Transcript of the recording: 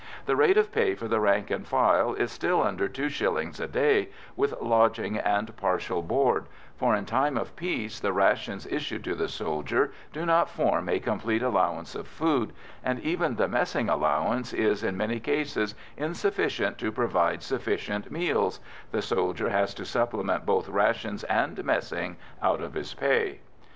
The rate of pay for the rank and file is still under two shillings a day, with lodging and partial board, for in time of peace the rations issued to the soldier do not form a complete allowance of food, and even the messing allowance is in many cases insufficient to provide sufficient meals the soldier has to supplement both rations and messing out of his pay.